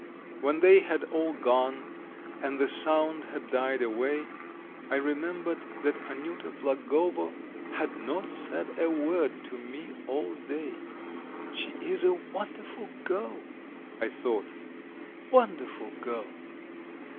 When they had all gone, and the sound had died away ... I remembered that Anyuta Blagovo had not said a word to me all day. "She is a wonderful girl!" I thought. "Wonderful girl!"